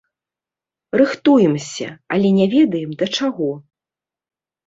Рыхтуемся, але не ведаем, да чаго.